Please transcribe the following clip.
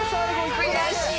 悔しい。